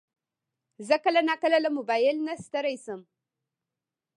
زه کله ناکله له موبایل نه ستړی شم.